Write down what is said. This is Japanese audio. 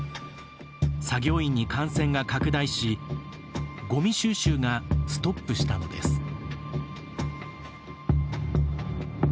作業員に感染が拡大しごみ収集がストップしたのです。